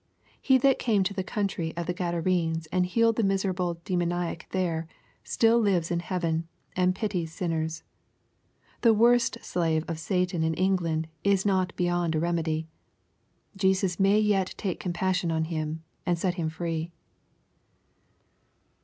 He that came to the country of the Gadarenes, and healed the miserable demoniac there, still lives in heaven, and pities sinners. The worst slave of Satan in England is not beyond a remedy. Jesus may yet take compassion on him, and set him free.